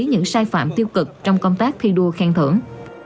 đây là những sai phạm tiêu cực trong công tác thi đua khen thưởng